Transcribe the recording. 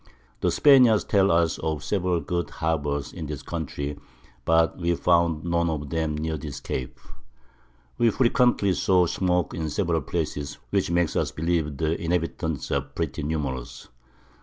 The Spaniards tell us of several good Harbours in this Country, but we found none of them near this Cape. We frequently saw Smoak in several Places, which makes us believe the Inhabitants are pretty numerous.